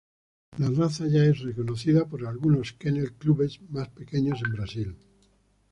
La raza ya es reconocida por algunos kennel clubes más pequeños en Brasil.